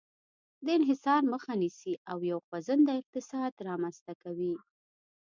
د انحصار مخه نیسي او یو خوځنده اقتصاد رامنځته کوي.